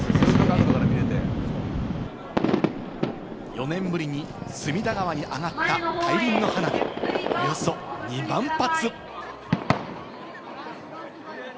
４年ぶりに隅田川に上がった大輪の花火、およそ２万発。